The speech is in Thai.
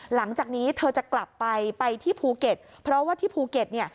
หลังจากนี้เธอจะกลับไปไปที่ภูเก็ตเพราะว่าที่ภูเก็ตเนี่ย